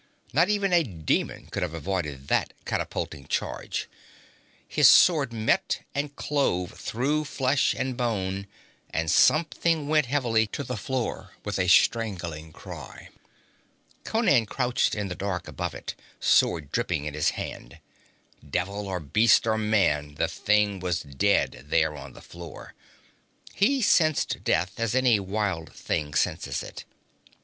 Not even a demon could have avoided that catapulting charge. His sword met and clove through flesh and bone, and something went heavily to the floor with a strangling cry. Conan crouched in the dark above it, sword dripping in his hand. Devil or beast or man, the thing was dead there on the floor. He sensed death as any wild thing senses it.